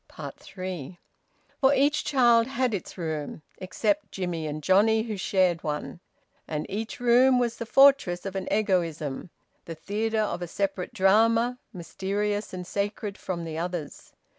THREE. For each child had its room except Jimmie and Johnnie, who shared one. And each room was the fortress of an egoism, the theatre of a separate drama, mysterious, and sacred from the others.